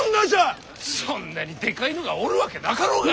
そんなにでかいのがおるわけなかろうが！